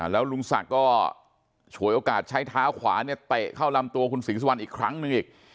แล้วลุงศักดิ์ก็ฉวยโอกาสใช้เท้าขวาเนี่ยเตะเข้าลำตัวคุณศรีสุวรรณอีกครั้งหนึ่งอีก